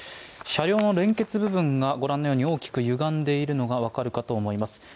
車両の連結部分がご覧のように大きくゆがんでいるのがわかるかと思います